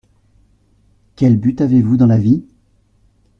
Quel but avez-vous dans la vie ?